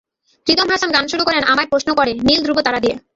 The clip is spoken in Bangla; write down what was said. রিদম হাসান গান শুরু করেন আমায় প্রশ্ন করে নীল ধ্রুব তারা দিয়ে।